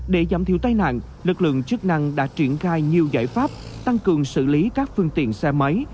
để giảm thiểu tai nạn lực lượng chức năng đã triển khai nhiều giải pháp tăng cường xử lý các phương tiện xe máy